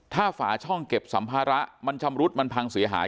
ถ้าฝาช่องเก็บสัมภาระมันชำรุดมันพังเสียหาย